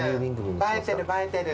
映えてる映えてる。